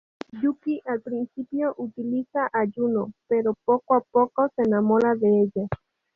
Yuki al principio utiliza a Yuno, pero poco a poco se enamora de ella.